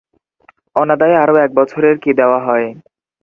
অনাদায়ে আরও এক বছরের কি দেওয়া হয়?